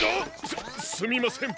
すっすみません